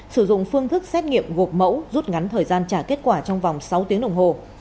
sử dụng phương thức xét nghiệm gộp mẫu rút ngắn thời gian trả kết quả trong vòng sáu tiếng đồng hồ